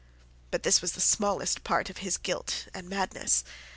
But this was the smallest part of his guilt and madness.